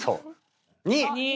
２！